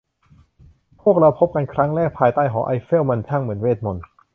พวกเราพบกันครั้งแรกภายใต้หอไอเฟล มันช่างเหมือนเวทมนตร์